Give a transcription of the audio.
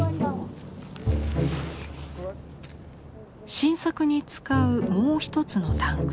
新作に使うもう一つのタンク。